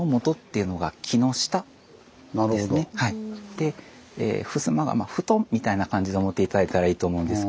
で「衾」がまあ布団みたいな感じと思って頂いたらいいと思うんですけれども。